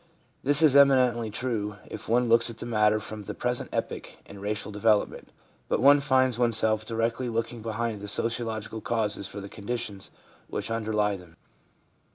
This is eminently true if one looks at the matter from the present epoch in racial development. But one finds oneself directly looking behind the sociological causes for the conditions which underlie them.